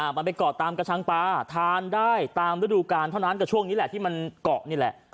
มันไปเกาะตามกระชังปลาทานได้ตามฤดูกาลเท่านั้นกับช่วงนี้แหละที่มันเกาะนี่แหละ